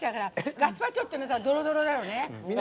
ガスパチョってドロドロだよね。